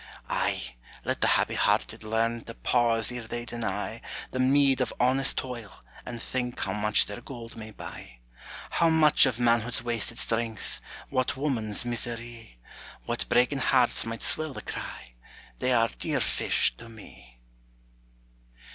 '" Ay, let the happy hearted learn To pause ere they deny The meed of honest toil, and think How much their gold may buy, How much of manhood's wasted strength, What woman's misery, What breaking hearts might swell the cry: "They are dear fish to me!"